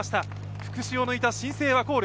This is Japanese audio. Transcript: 福士を抜いた新生ワコール。